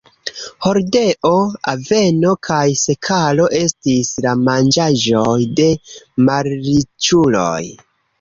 Hordeo, aveno kaj sekalo estis la manĝaĵoj de malriĉuloj.